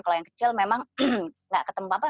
kalau yang kecil memang nggak ketemu papa